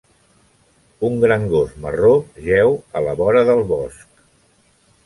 Un gran gos marró jeu a la vora del bosc.